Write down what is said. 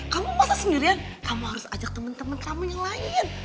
kamu masa sendirian kamu harus ajak temen temen kamu yang lain